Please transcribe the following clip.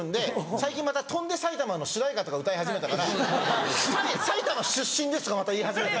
最近『翔んで埼玉』の主題歌とか歌い始めたから「埼玉出身です」とか言い始めて。